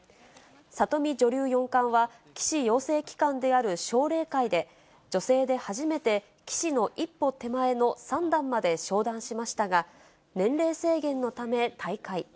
里見女流四冠は、棋士養成機関である奨励会で、女性で初めて、棋士の一歩手前の三段まで昇段しましたが、年齢制限のため、退会。